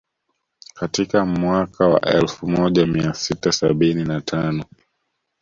Katika mweaka wa elfu moja mia sita sabini na tano